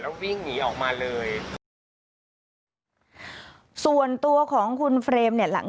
แล้ววิ่งหนีออกมาเลยส่วนตัวของคุณเฟรมเนี่ยหลัง